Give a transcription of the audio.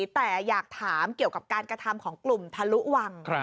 แต่อยากถามเกี่ยวกับการกระทำของกลุ่มทะลุวัง